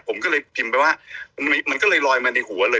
ผมก็เลยพิมพ์ไปว่ามันก็เลยลอยมาในหัวเลย